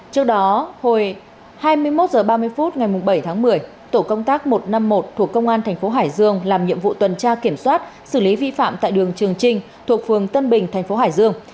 trước đó hồi hai mươi một h ba mươi phút ngày bảy tháng một mươi tổ công tác một trăm năm mươi một thuộc công an thành phố hải dương làm nhiệm vụ tuần tra kiểm soát xử lý vi phạm tại đường trường trinh thuộc phường tân bình thành phố hải dương